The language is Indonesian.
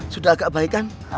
sudah agak baik kan